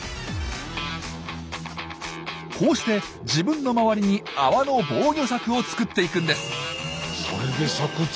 こうして自分の周りに泡の防御柵を作っていくんです。